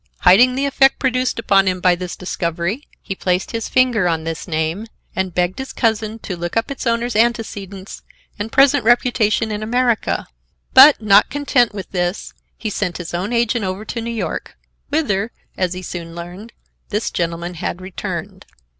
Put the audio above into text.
Hiding the effect produced upon him by this discovery, he placed his finger on this name and begged his cousin to look up its owner's antecedents and present reputation in America; but, not content with this, he sent his own agent over to New York—whither, as he soon learned, this gentleman had returned.